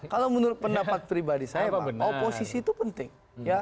kalau menurut pendapat pribadi saya oposisi itu penting